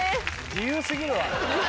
自由過ぎるわ！